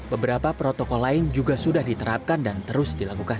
beberapa protokol lain juga sudah diterapkan dan terus dilakukan